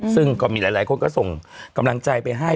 ซึ่งก็มีหลายคนก็ส่งกำลังใจไปให้